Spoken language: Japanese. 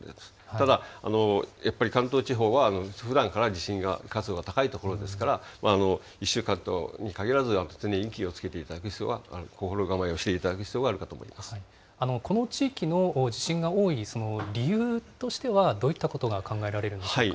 ただ、やっぱり関東地方はふだんから地震活動が高い所ですから、１週間に限らず、常に気をつけていただく、行動していただく必要この地域の地震が多い理由としてはどういったことが考えられるんでしょうか。